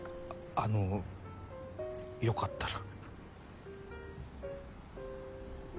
あのよかったら。